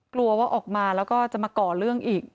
กลัวว่าออกมาแล้วก็จะมาก่อเรื่องอีก